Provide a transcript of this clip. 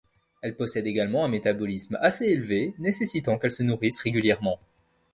Elle possède également un métabolisme assez élevé, nécessitant qu’elle se nourrisse régulièrement.